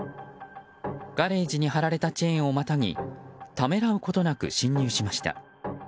ガレージに張られたチェーンをまたぎためらうことなく侵入しました。